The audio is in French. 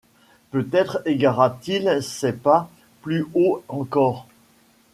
Peut-être égara-t-il ses pas plus haut encor ;